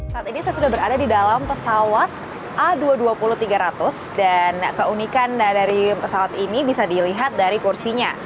saat ini saya sudah berada di dalam pesawat a dua ratus dua puluh tiga ratus dan keunikan dari pesawat ini bisa dilihat dari kursinya